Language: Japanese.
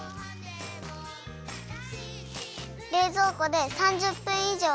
れいぞうこで３０分いじょう